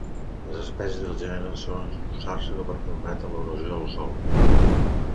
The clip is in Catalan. Les espècies del gènere solen usar-se per combatre l'erosió del sòl.